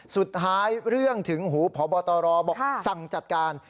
เรื่องถึงหูพบตรบอกสั่งจัดการ